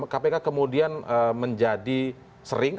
kpk kemudian menjadi sering